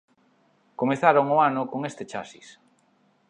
Comezaron o ano con este chasis.